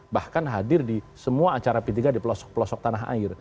bahkan hadir di semua acara p tiga di pelosok pelosok tanah air